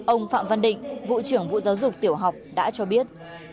ông phạm văn định vụ trưởng vụ giáo dục tiểu học đã cho biết